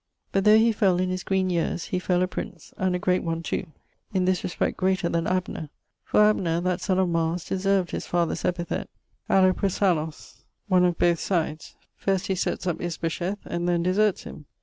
But though he fell in his green yeares, he fell a prince, and a great one too, in this respect greater then Abner; for Abner, that son of Mars, deserved his father's epithite, ἀλλοπρόσαλλος, one of both sides, first he setts up Isbosheth, and then deserts him.